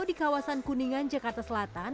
di kawasan kuningan jakarta selatan